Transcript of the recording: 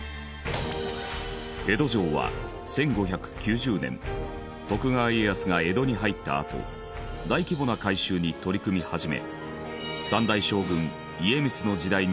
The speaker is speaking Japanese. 江戸城は１５９０年徳川家康が江戸に入ったあと大規模な改修に取り組み始め。